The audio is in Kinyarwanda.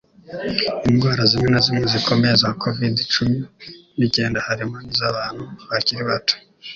Indwara zimwe na zimwe zikomeye za covid-cumi ni cyendaharimo n'iz'abantu bakiri bato